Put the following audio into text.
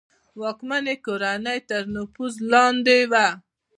واکمنې کورنۍ تر نفوذ لاندې وه.